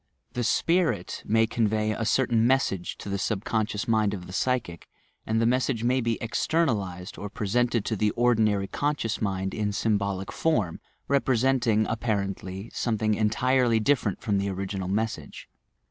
The "spirit" may convey a certain message to the subconscious mind of the psychic, and the mes sage may be "externalized" or presented to the ordinary conscious mind in symbolic form, representing, appar ently, something entirely different from the original message.